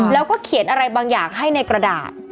แล้วก็เขียนอะไรบางอย่างให้ในกระดาษ